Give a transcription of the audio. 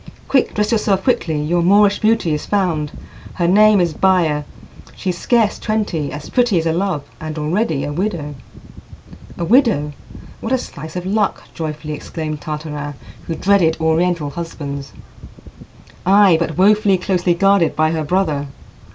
"Quick! Dress yourself quickly! Your Moorish beauty is found, Her name is Baya. She's scarce twenty as pretty as a love, and already a widow." "A widow! What a slice of luck!" joyfully exclaimed Tartarin, who dreaded Oriental husbands. "Ay, but woefully closely guarded by her brother."